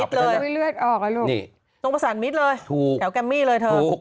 อ้าวเห็นไหมเลือดออกแล้วลูกนี่ต้องประสานมิตรเลยถูกแถวกัมมี่เลยเถอะ